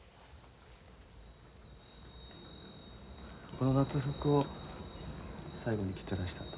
この夏服を最後に着てらしたと。